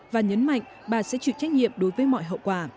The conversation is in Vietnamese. và nhấn mạnh bà sẽ chịu trách nhiệm đối với mọi hậu quả